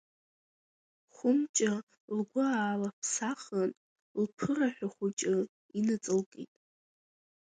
Хәымҷа лгәы аалыԥсахын, лԥыраҳәа хәыҷы иныҵалкит.